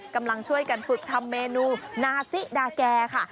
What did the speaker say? กำลังช่วยกันฝึกทำเมนูนาซิดาแก่ค่ะ